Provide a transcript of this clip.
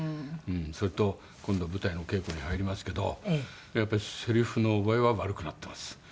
それと今度舞台のお稽古に入りますけどやっぱりセリフの覚えは悪くなっています。